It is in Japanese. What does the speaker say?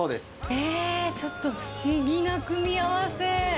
えー、ちょっと不思議な組み合わせ。